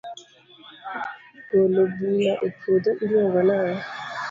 golo buya e puodho i luongo nango?